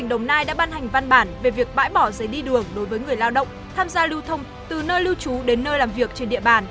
đồng nai đã ban hành văn bản về việc bãi bỏ giấy đi đường đối với người lao động tham gia lưu thông từ nơi lưu trú đến nơi làm việc trên địa bàn